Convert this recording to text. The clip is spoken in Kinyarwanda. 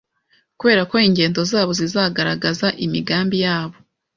Kubera ko ingendo zabo zizagaragaza imigambi yabo